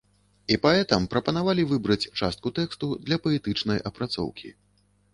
І паэтам прапанавалі выбраць частку тэксту для паэтычнай апрацоўкі.